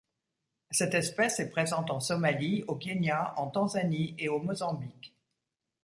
Cette espèce est présente en Somalie, au Kenya, en Tanzanie et au Mozambique.